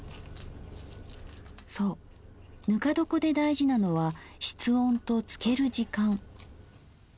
そうぬか床で大事なのは室温と漬ける時間。